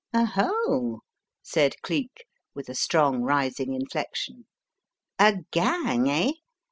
"Oho!" said Cleek, with a strong rising inflec tion. "A gang, eh?